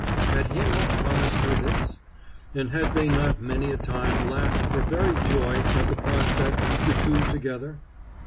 Had he not promised her this? And had they not many a time laughed for very joy at the prospect, the two together?